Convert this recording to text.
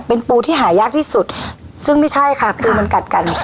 เป็นปูที่หายากที่สุดซึ่งไม่ใช่ค่ะปูมันกัดกัน